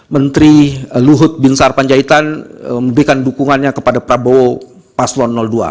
menteri luhut bin sarpanjaitan memberikan dukungannya kepada prabowo paslon dua